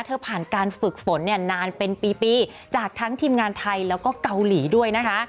ผ่านการฝึกฝนเนี่ยนานเป็นปีจากทั้งทีมงานไทยแล้วก็เกาหลีด้วยนะคะ